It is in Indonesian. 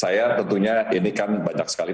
saya tentunya ini kan banyak sekali